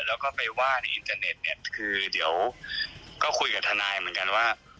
แล้วก็ไปว่าในอินเทอร์เน็ตเนี่ยคือเดี๋ยวก็คุยกับทนายเหมือนกันว่า